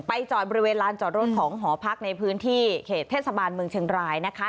จอดบริเวณลานจอดรถของหอพักในพื้นที่เขตเทศบาลเมืองเชียงรายนะคะ